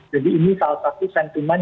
jadi ini salah satu sentimen